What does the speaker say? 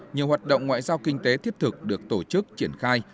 nhiều hoạt động ngoại giao kinh tế thiết thực được tổ chức triển khai